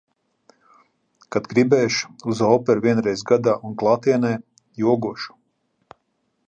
Kad gribēšu, uz operu – vienreiz gadā un klātienē, jogošu.